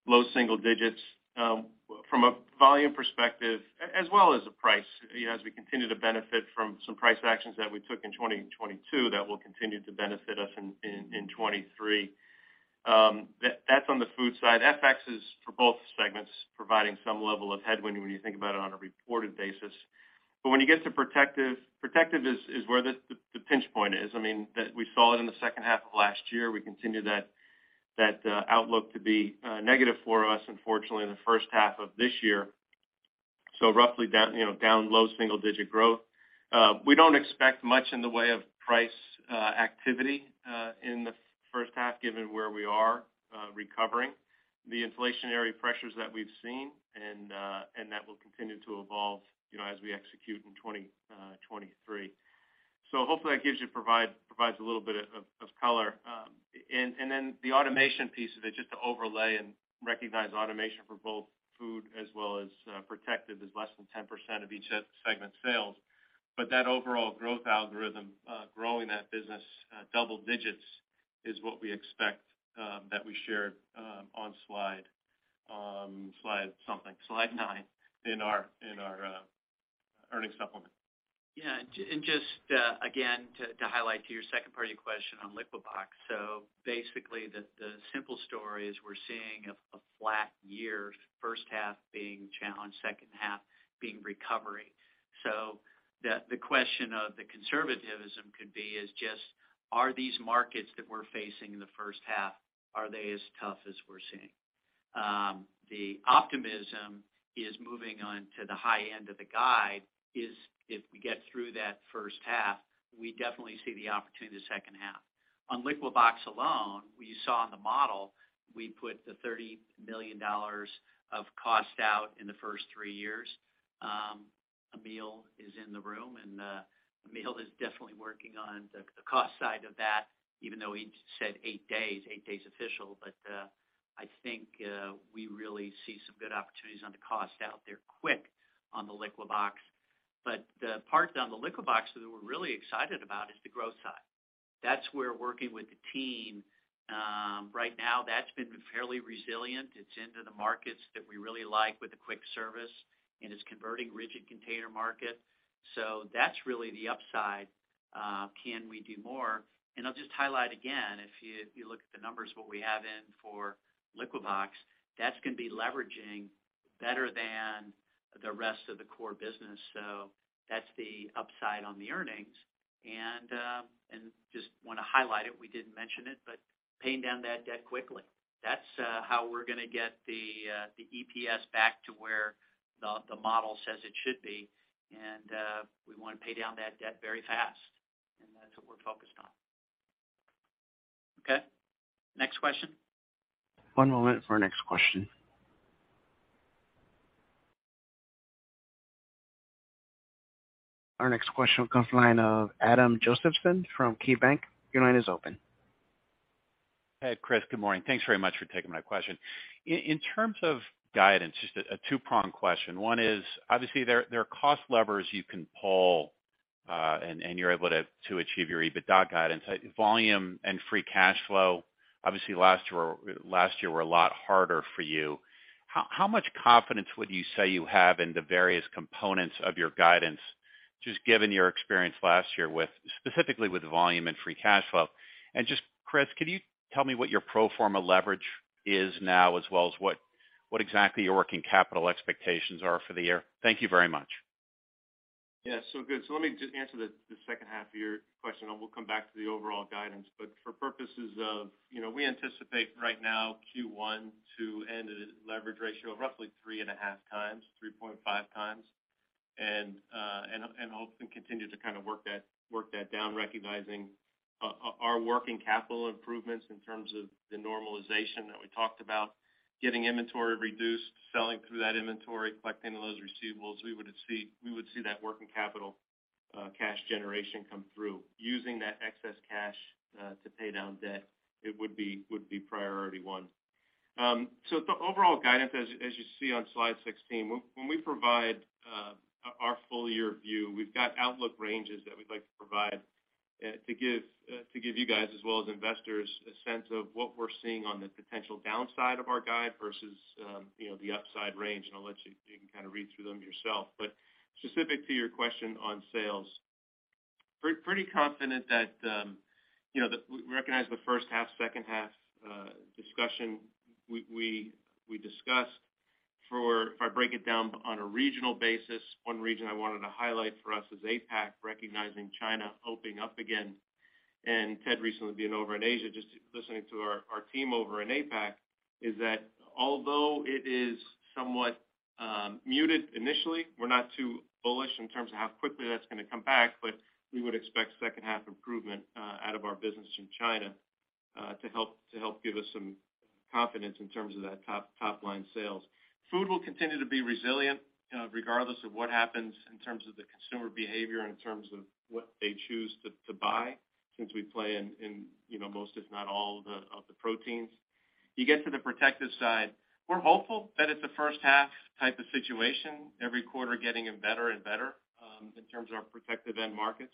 Speaker 4: low single digits, from a volume perspective as well as a price, you know, as we continue to benefit from some price actions that we took in 2022 that will continue to benefit us in 2023. That's on the Food side. FX is for both segments, providing some level of headwind when you think about it on a reported basis. When you get to Protective is where the pinch point is. I mean, we saw it in the second half of last year. We continue that outlook to be negative for us, unfortunately, in the first half of this year. Roughly down, you know, down low single digit growth. We don't expect much in the way of price activity in the first half given where we are recovering the inflationary pressures that we've seen, and that will continue to evolve, you know, as we execute in 2023. Hopefully that gives you provides a little bit of color. Then the automation piece of it, just to overlay and recognize automation for both Food as well as Protective is less than 10% of each segment's sales. That overall growth algorithm, growing that business double digits is what we expect that we shared on slide something, slide 9 in our earnings supplement.
Speaker 3: Yeah. Just again, to highlight your second part of your question on Liquibox. Basically, the simple story is we're seeing a flat year, first half being challenged, second half being recovery. The question of the conservatism could be is just, are these markets that we're facing in the first half, are they as tough as we're seeing? The optimism is moving on to the high end of the guide is if we get through that first half, we definitely see the opportunity the second half. On Liquibox alone, you saw in the model, we put the $30 million of cost out in the first three years. Emile is in the room, and Emile is definitely working on the cost side of that, even though he said eight days official. I think we really see some good opportunities on the cost out there quick on the Liquibox. The part on the Liquibox that we're really excited about is the growth side. That's where working with the team, right now, that's been fairly resilient. It's into the markets that we really like with the quick service and is converting rigid container market. That's really the upside, can we do more? I'll just highlight again, if you look at the numbers, what we have in for Liquibox, that's gonna be leveraging better than the rest of the core business. That's the upside on the earnings. Just wanna highlight it, we didn't mention it, but paying down that debt quickly. That's how we're gonna get the EPS back to where the model says it should be. We wanna pay down that debt very fast, and that's what we're focused on. Okay. Next question.
Speaker 1: One moment for our next question. Our next question comes from the line of Adam Josephson from KeyBanc. Your line is open.
Speaker 12: Hey, Chris. Good morning. Thanks very much for taking my question. In terms of guidance, just a two-prong question. One is, obviously, there are cost levers you can pull, and you're able to achieve your EBITDA guidance. Volume and free cash flow, obviously, last year were a lot harder for you. How much confidence would you say you have in the various components of your guidance, just given your experience last year with, specifically with volume and free cash flow? Just, Chris, can you tell me what your pro forma leverage is now as well as what exactly your working capital expectations are for the year? Thank you very much.
Speaker 4: Yeah. Good. Let me just answer the second half of your question, and we'll come back to the overall guidance. For purposes of, you know, we anticipate right now Q1 to end at a leverage ratio of roughly 3.5 times, and hopefully continue to kind of work that down, recognizing our working capital improvements in terms of the normalization that we talked about, getting inventory reduced, selling through that inventory, collecting those receivables, we would see that working capital cash generation come through. Using that excess cash to pay down debt, it would be priority one. The overall guidance, as you see on slide 16, when we provide our full year view, we've got outlook ranges that we'd like to provide to give you guys, as well as investors, a sense of what we're seeing on the potential downside of our guide versus, you know, the upside range. You can kind of read through them yourself. Specific to your question on sales, pretty confident that, you know, that we recognize the first half, second half, discussion we discussed. If I break it down on a regional basis, one region I wanted to highlight for us is APAC, recognizing China opening up again. Ted recently being over in Asia, just listening to our team over in APAC, is that although it is somewhat muted initially, we're not too bullish in terms of how quickly that's gonna come back. We would expect second half improvement out of our business in China to help give us some confidence in terms of that top-line sales. Food will continue to be resilient regardless of what happens in terms of the consumer behavior, in terms of what they choose to buy, since we play in, you know, most, if not all the, of the proteins. You get to the Protective side, we're hopeful that it's a first half type of situation, every quarter getting it better and better in terms of our Protective end markets.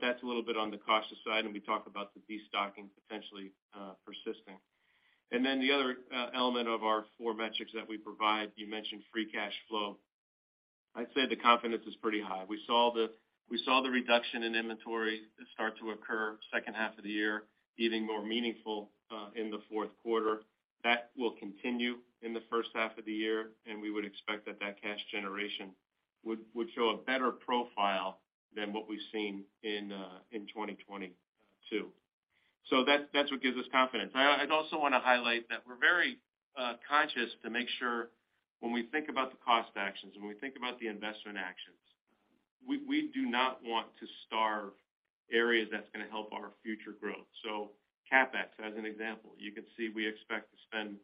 Speaker 4: That's a little bit on the cautious side, and we talk about the destocking potentially persisting. Then the other element of our four metrics that we provide, you mentioned free cash flow. I'd say the confidence is pretty high. We saw the reduction in inventory start to occur second half of the year, getting more meaningful in the fourth quarter. That will continue in the first half of the year, and we would expect that that cash generation would show a better profile than what we've seen in 2022. That, that's what gives us confidence. I'd also want to highlight that we're very conscious to make sure when we think about the cost actions and when we think about the investment actions, we do not want to starve areas that's gonna help our future growth. CapEx, as an example, you can see we expect to spend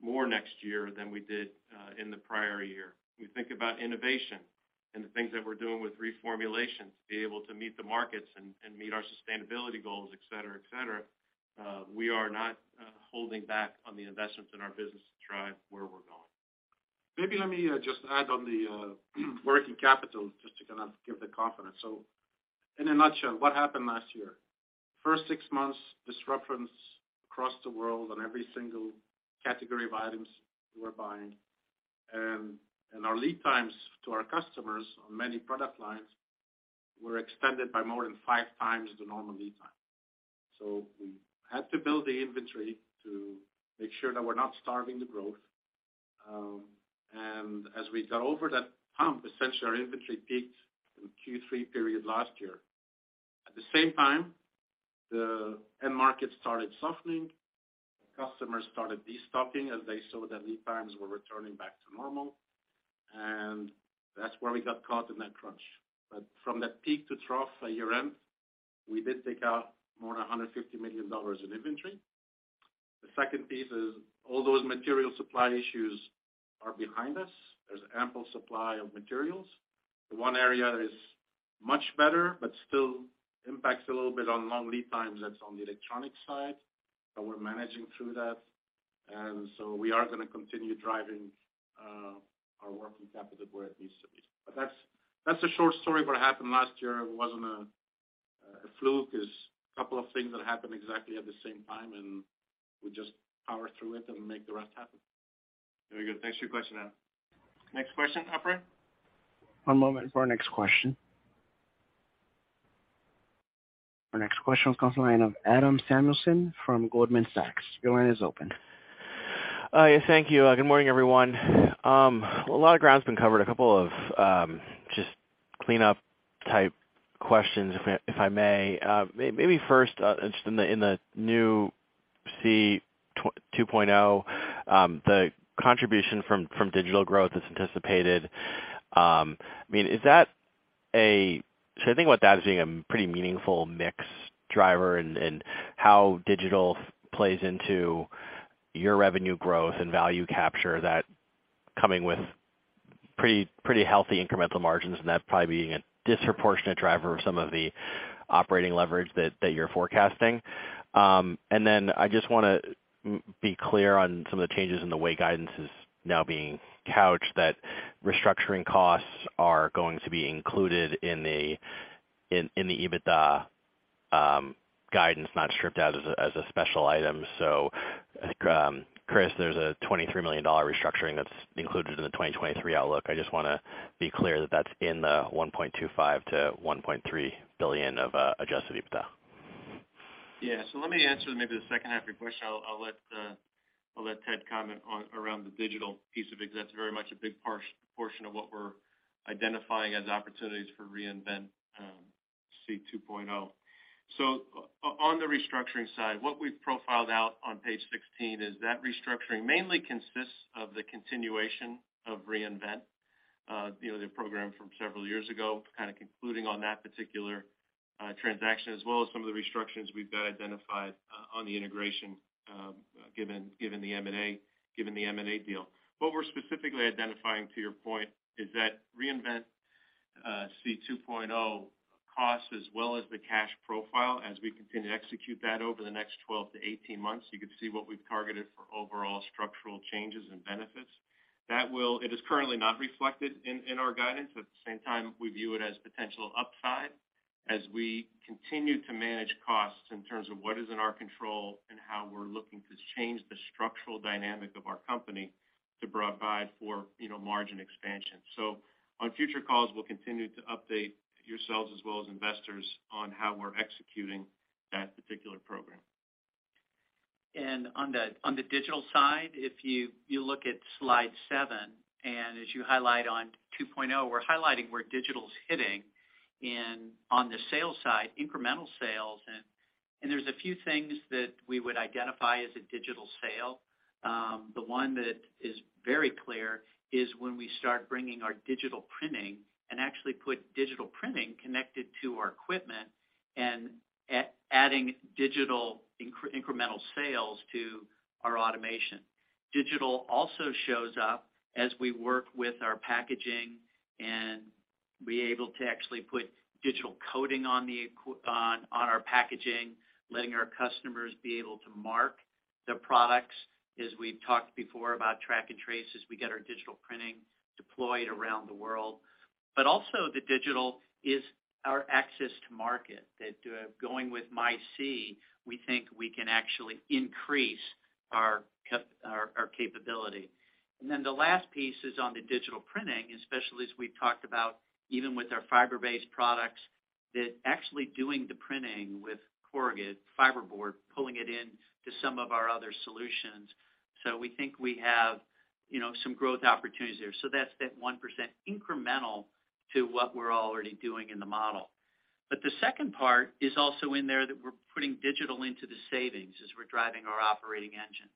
Speaker 4: more next year than we did in the prior year. We think about innovation and the things that we're doing with reformulation to be able to meet the markets and meet our sustainability goals, et cetera, et cetera. We are not holding back on the investments in our business to drive where we're going.
Speaker 7: Maybe let me just add on the working capital just to kind of give the confidence. In a nutshell, what happened last year? First six months, disruptions across the world on every single category of items we were buying. Our lead times to our customers on many product lines were extended by more than five times the normal lead time. We had to build the inventory to make sure that we're not starving the growth. As we got over that hump, essentially our inventory peaked in Q3 period last year. At the same time, the end market started softening. Customers started destocking as they saw that lead times were returning back to normal. That's where we got caught in that crunch. From that peak to trough by year-end, we did take out more than $150 million in inventory. The second piece is all those material supply issues are behind us. There's ample supply of materials. The one area that is much better, but still impacts a little bit on long lead times, that's on the electronic side, but we're managing through that. We are gonna continue driving our working capital to where it needs to be. That's a short story of what happened last year. It wasn't a fluke. It's a couple of things that happened exactly at the same time, and we just power through it and make the rest happen.
Speaker 3: Very good. Thanks for your question, Adam. Next question, operator?
Speaker 1: One moment for our next question. Our next question comes from the line of Adam Samuelson from Goldman Sachs. Your line is open.
Speaker 13: Yeah, thank you. Good morning, everyone. A lot of ground's been covered. A couple of just cleanup type questions, if I may. First, just in the new SEE 2.0, the contribution from digital growth that's anticipated, I mean, I think about that as being a pretty meaningful mix driver and how digital plays into your revenue growth and value capture that coming with pretty healthy incremental margins, and that probably being a disproportionate driver of some of the operating leverage that you're forecasting. I just wanna be clear on some of the changes in the way guidance is now being couched, that restructuring costs are going to be included in the EBITDA guidance, not stripped out as a special item. I think, Chris, there's a $23 million restructuring that's included in the 2023 outlook. I just wanna be clear that that's in the $1.25 billion-$1.3 billion of adjusted EBITDA.
Speaker 4: Yeah. Let me answer maybe the second half of your question. I'll let Ted comment on around the digital piece of it, 'cause that's very much a portion of what we're identifying as opportunities for Reinvent SEE 2.0. On the restructuring side, what we've profiled out on page 16 is that restructuring mainly consists of the continuation of Reinvent, you know, the program from several years ago, kind of concluding on that particular transaction as well as some of the restructures we've got identified on the integration given the M&A deal. What we're specifically identifying to your point is that Reinvent SEE 2.0 cost as well as the cash profile as we continue to execute that over the next 12 to 18 months. You can see what we've targeted for overall structural changes and benefits. It is currently not reflected in our guidance. At the same time, we view it as potential upside as we continue to manage costs in terms of what is in our control and how we're looking to change the structural dynamic of our company to provide for, you know, margin expansion. On future calls, we'll continue to update yourselves as well as investors on how we're executing that particular program.
Speaker 3: On the, on the digital side, if you look at slide seven, and as you highlight on 2.0, we're highlighting where digital's hitting and on the sales side, incremental sales and there's a few things that we would identify as a digital sale. The one that is very clear is when we start bringing our digital printing and actually put digital printing connected to our equipment and adding digital incremental sales to our automation. Digital also shows up as we work with our packaging and be able to actually put digital coding on our packaging, letting our customers be able to mark their products, as we've talked before about track and trace as we get our digital printing deployed around the world. Also, the digital is our access to market that going with MySEE, we think we can actually increase our capability. The last piece is on the digital printing, especially as we've talked about even with our fiber-based products, that actually doing the printing with corrugate fiberboard, pulling it in to some of our other solutions. We think we have, you know, some growth opportunities there. That's that 1% incremental to what we're already doing in the model. The second part is also in there that we're putting digital into the savings as we're driving our operating engine.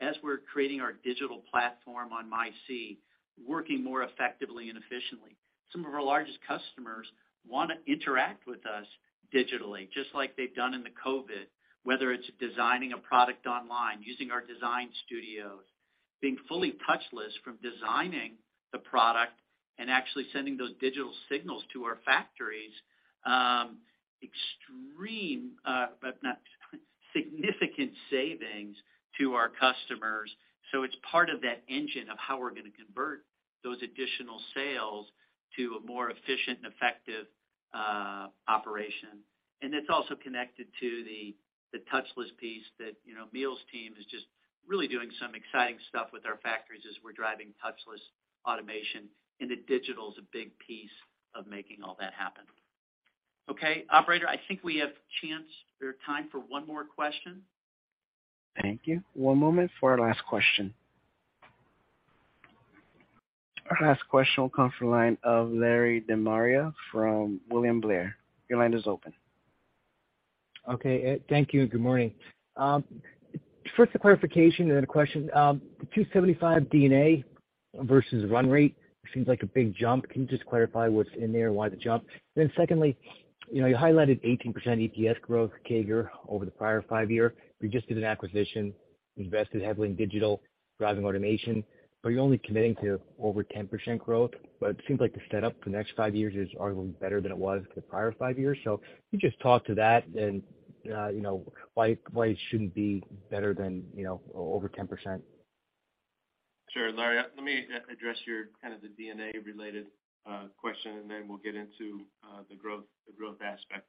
Speaker 3: As we're creating our digital platform on MySEE, working more effectively and efficiently. Some of our largest customers wanna interact with us digitally, just like they've done in the COVID, whether it's designing a product online, using our design studios, being fully touchless from designing the product and actually sending those digital signals to our factories, extreme, but not significant savings to our customers. It's part of that engine of how we're gonna convert those additional sales to a more efficient and effective operation. It's also connected to the touchless piece that, you know, Neil's team is just really doing some exciting stuff with our factories as we're driving touchless automation, and the digital is a big piece of making all that happen. Okay, operator, I think we have chance or time for one more question.
Speaker 1: Thank you. One moment for our last question.
Speaker 3: Okay.
Speaker 1: Last question will come from the line of Larry De Maria from William Blair. Your line is open.
Speaker 14: Okay. Thank you. Good morning. First a clarification and then a question. The $275 D&A versus run rate seems like a big jump. Can you just clarify what's in there and why the jump? Secondly, you know, you highlighted 18% EPS growth CAGR over the prior five year. You just did an acquisition, invested heavily in digital driving automation, but you're only committing to over 10% growth. It seems like the setup for the next five years is arguably better than it was the prior five years. Can you just talk to that and, you know, why it shouldn't be better than, you know, over 10%?
Speaker 4: Sure, Larry. Let me address your kind of the D&A-related question, and then we'll get into the growth aspect.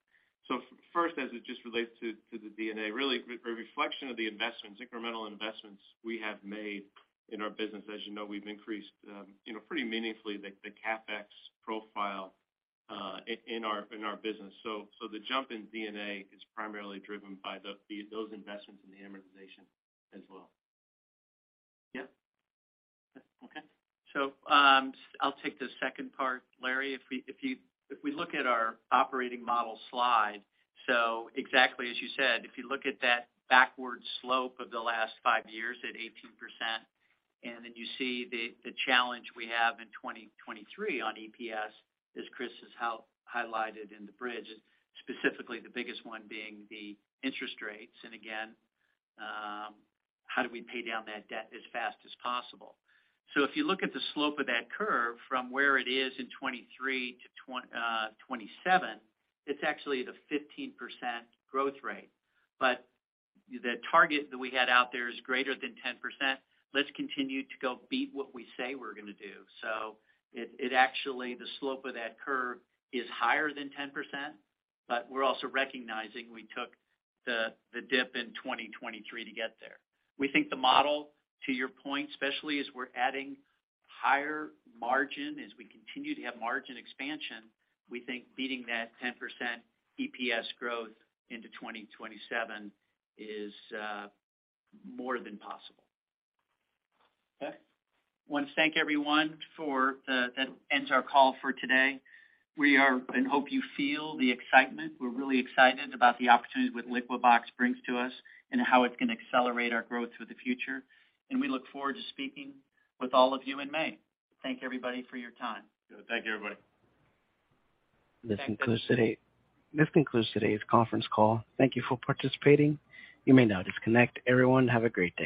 Speaker 4: First, as it just relates to the D&A, really reflection of the investments, incremental investments we have made in our business. As you know, we've increased, you know, pretty meaningfully the CapEx profile in our business. The jump in D&A is primarily driven by the those investments and the amortization as well.
Speaker 3: Okay. I'll take the second part, Larry. If we look at our operating model slide, exactly as you said, if you look at that backward slope of the last five years at 18%, then you see the challenge we have in 2023 on EPS, as Chris has highlighted in the bridge, specifically the biggest one being the interest rates. Again, how do we pay down that debt as fast as possible? If you look at the slope of that curve from where it is in 2023 to 2027, it's actually the 15% growth rate. The target that we had out there is greater than 10%. Let's continue to go beat what we say we're gonna do. It actually, the slope of that curve is higher than 10%, but we're also recognizing we took the dip in 2023 to get there. We think the model, to your point, especially as we're adding higher margin, as we continue to have margin expansion, we think beating that 10% EPS growth into 2027 is more than possible. Okay. Want to thank everyone. That ends our call for today. We are and hope you feel the excitement. We're really excited about the opportunities what Liquibox brings to us and how it's gonna accelerate our growth for the future. We look forward to speaking with all of you in May. Thank everybody for your time.
Speaker 4: Thank you, everybody.
Speaker 1: This concludes today's conference call. Thank you for participating. You may now disconnect. Everyone, have a great day.